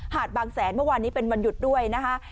บางแสนเมื่อวานนี้เป็นวันหยุดด้วยนะคะ